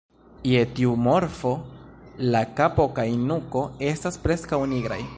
Je tiu morfo la kapo kaj nuko estas preskaŭ nigraj.